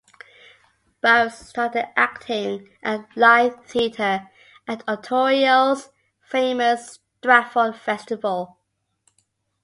Burroughs started acting in live theatre at Ontario's famous Stratford Festival.